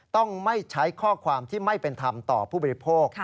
ต้องไม่ใช้ข้อความที่ไม่เป็นธรรมต่อผู้บริโภค